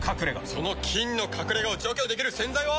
その菌の隠れ家を除去できる洗剤は。